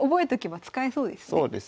そうですね。